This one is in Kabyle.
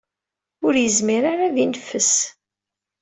Ur yezmir ara ad ineffes.